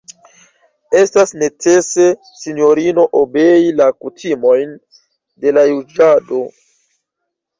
Estas necese, sinjorino, obei la kutimojn de la juĝado.